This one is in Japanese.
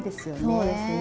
そうですね。